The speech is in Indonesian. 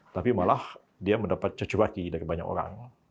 tapi malah dia mendapat cacubaki dari banyak orang